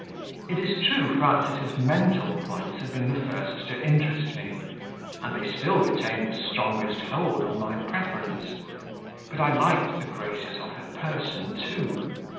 It is true Frances' mental points had been the first to interest me, and they still retained the strongest hold on my preference; but I liked the graces of her person too.